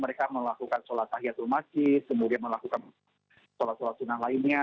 mereka melakukan sholat tahiyatul masjid kemudian melakukan sholat sholat sunnah lainnya